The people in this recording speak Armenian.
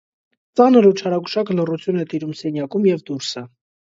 Ծանր ու չարագուշակ լռություն է տիրում սենյակում և դուրսը: